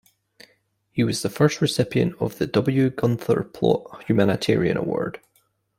He was the first recipient of the W. Gunther Plaut Humanitarian Award.